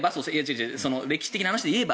歴史的な話で言えば。